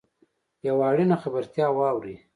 یوه اړینه خبرتیا واورﺉ .